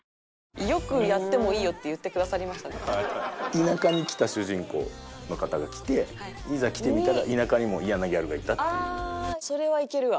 田舎に来た主人公の方が来ていざ来てみたら田舎にも嫌なギャルがいたっていう。